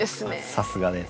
さすがです。